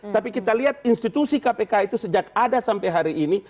tapi kita lihat institusi kpk itu sejak ada sampai hari ini